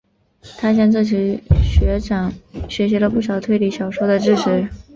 他向这群学长学习了不少推理小说的知识。